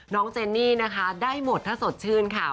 เจนนี่นะคะได้หมดถ้าสดชื่นค่ะ